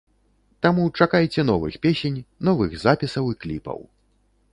Таму чакайце новых песень, новых запісаў і кліпаў!